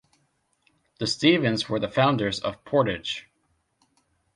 The Stevens were the founders of Portage.